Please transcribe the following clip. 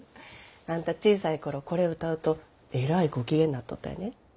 あんた小さい頃これ歌うとえらいご機嫌になっとったんやで。